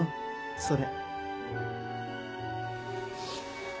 それ。